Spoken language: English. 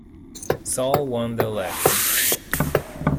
Sall won the election.